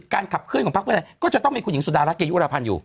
ขับเคลื่อนของพักเพื่อไทยก็จะต้องมีคุณหญิงสุดารัฐเกยุรพันธ์อยู่